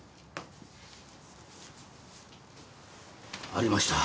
ありました